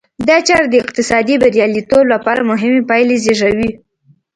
دا چاره د اقتصادي بریالیتوب لپاره مهمې پایلې زېږوي.